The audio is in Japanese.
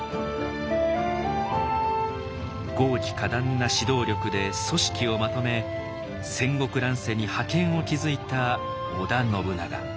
剛毅果断な指導力で組織をまとめ戦国乱世に覇権を築いた織田信長。